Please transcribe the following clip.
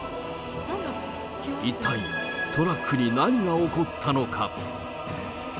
一体、トラックに何が起こったのか。